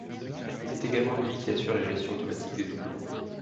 C'est également lui qui assure la gestion automatique des doublons.